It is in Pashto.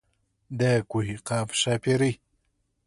د کوه قاف ښاپېرۍ.